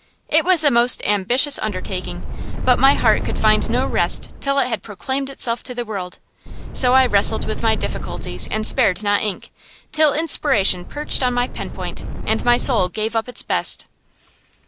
It was a most ambitious undertaking, but my heart could find no rest till it had proclaimed itself to the world; so I wrestled with my difficulties, and spared not ink, till inspiration perched on my penpoint, and my soul gave up its best.